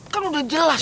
kan udah jelas